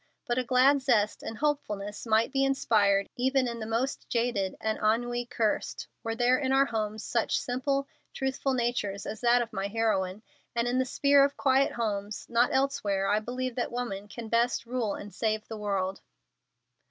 But a glad zest and hopefulness might be inspired even in the most jaded and ennui cursed, were there in our homes such simple, truthful natures as that of my heroine; and in the sphere of quiet homes not elsewhere I believe that woman can best rule and save the world.